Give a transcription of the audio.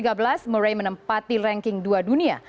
merupakan seorang petanis yang mencapai ranking dua dunia